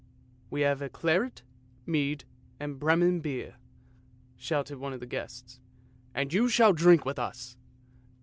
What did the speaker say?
" We will have claret, mead, and Bremen beer," shouted one of the guests, " and you shall drink with us!